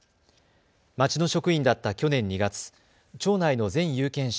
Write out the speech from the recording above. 町の職員だった去年２月、町内の全有権者